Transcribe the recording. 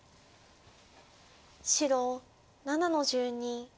白７の十二。